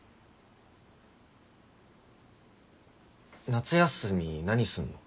夏休み何すんの？